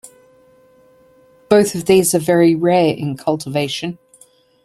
Both of these are very rare in cultivation.